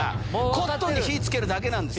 コットンに火付けるだけです。